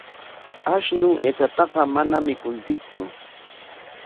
Ashnu aychataqa manam mikunchiktsu.